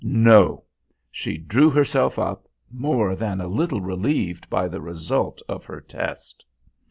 No! She drew herself up, more than a little relieved by the result of her test.